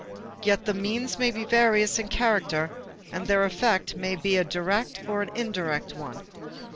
Yet the means may be various in character and their effect may be a direct or an indirect one.